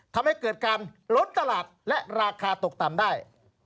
ทำให้เกิดการล้นตลาดและราคาตกต่ำได้